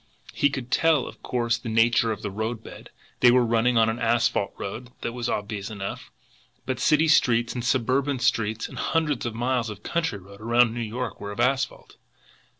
He could tell, of course, the nature of the roadbed. They were running on an asphalt road, that was obvious enough; but city streets and suburban streets and hundreds of miles of country road around New York were of asphalt!